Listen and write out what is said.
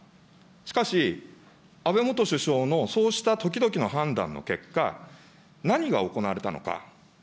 しかし、安倍元首相のそうしたときどきの判断の結果、何が行われたのか。